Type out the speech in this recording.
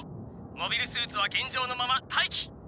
モビルスーツは現状のまま待機。